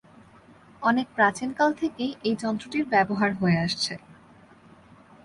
অনেক প্রাচীন কাল থেকেই এই যন্ত্রটির ব্যবহার হয়ে আসছে।